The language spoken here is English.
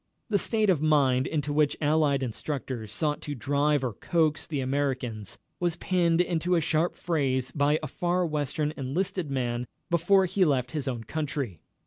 The state of mind into which Allied instructors sought to drive or coax the Americans was pinned into a sharp phrase by a Far Western enlisted man before he left his own country.